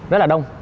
rất là đông